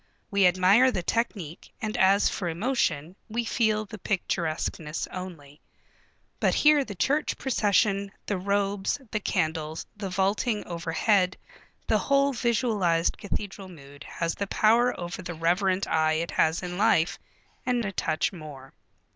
We admire the technique, and as for emotion, we feel the picturesqueness only. But here the church procession, the robes, the candles, the vaulting overhead, the whole visualized cathedral mood has the power over the reverent eye it has in life, and a touch more.